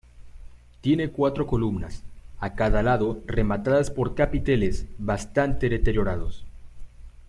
Tiene cuatro columnas a cada lado rematadas por capiteles bastante deteriorados.